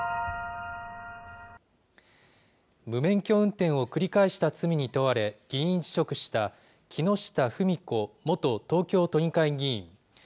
無免許運転を繰り返した罪に問われ、議員辞職した木下富美子元東京都議会議員。